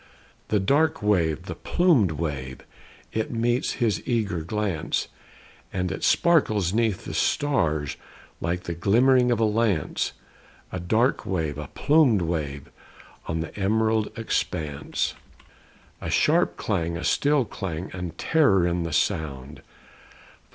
The dark wave, the plumed wave, It meets his eager glance; And it sparkles 'neath the stars, Like the glimmer of a lance A dark wave, a plumed wave, On an emerald expanse. A sharp clang, a still clang, And terror in the sound!